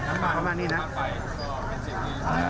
น้ำบ่ายน้ำบ่ายน้ำบ่าย